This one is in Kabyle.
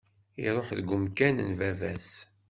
Iruḥ deg umkan n baba-s.